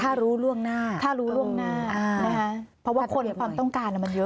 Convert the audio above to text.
ถ้ารู้เรื่องหน้านะคะเพราะว่าคนความต้องการมันเยอะ